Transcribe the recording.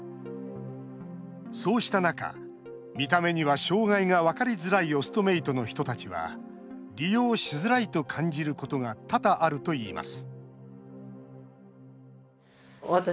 そうした中、見た目には障害が分かりづらいオストメイトの人たちは利用しづらいと感じることが多々あるといいます